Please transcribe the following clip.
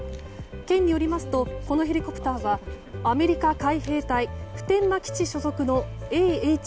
県によりますとこのヘリコプターはアメリカ海兵隊普天間基地所属のＡＨ